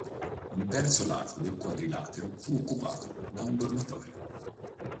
Un terzo lato del quadrilatero fu occupato da un dormitorio.